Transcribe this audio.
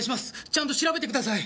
ちゃんと調べてください。